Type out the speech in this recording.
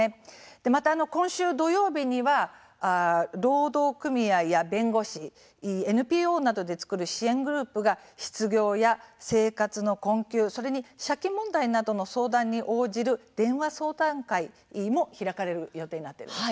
また今週土曜日には労働組合や弁護士ＮＰＯなどで作る支援グループ失業や生活の困窮借金問題などの相談に応じる電話相談会も開かれる予定になっています。